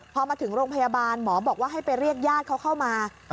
พอมาถึงโรงพยาบาลหมอบอกว่าให้ไปเรียกญาติเขาเข้ามา